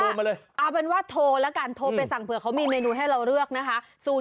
มาเลยเอาเป็นว่าโทรแล้วกันโทรไปสั่งเผื่อเขามีเมนูให้เราเลือกนะคะ